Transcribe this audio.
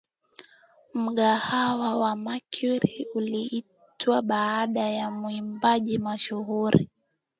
Mgahawa wa Mercury uliitwa baada ya mwimbaji mashuhuri